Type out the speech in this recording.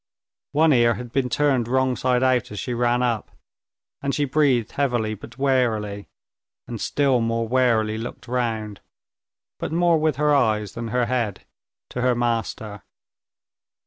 One ear had been turned wrong side out as she ran up, and she breathed heavily but warily, and still more warily looked round, but more with her eyes than her head, to her master.